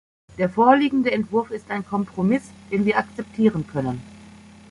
Der vorliegende Entwurf ist ein Kompromiss, den wir akzeptieren können.